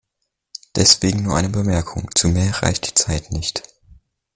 Deswegen nur eine Bemerkung, zu mehr reicht die Zeit nicht.